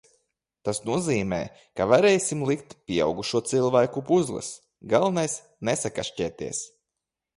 Tas nozīmē, ka varēsim likt pieaugušo cilvēku puzles, galvenais nesakašķēties.